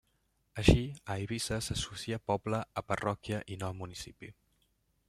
Així, a Eivissa s'associa poble a parròquia i no a municipi.